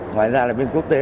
ngoài ra là bên quốc tế